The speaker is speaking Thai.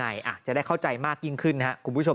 ซื้อแล้วเป็นยังไงอ่ะจะได้เข้าใจมากยิ่งขึ้นนะคุณผู้ชม